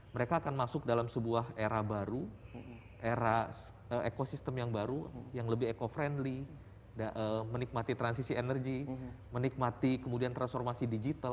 mereka akan masuk dalam sebuah era baru era ekosistem yang baru yang lebih eco friendly menikmati transisi energi menikmati kemudian transformasi digital